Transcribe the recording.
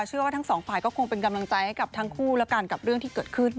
เชื่อว่าทั้งสองฝ่ายก็คงเป็นกำลังใจให้กับทั้งคู่แล้วกันกับเรื่องที่เกิดขึ้น